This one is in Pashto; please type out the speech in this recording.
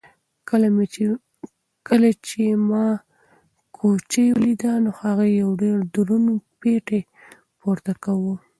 کله چې ما کوچۍ ولیده نو هغې یو ډېر دروند پېټی پورته کاوه.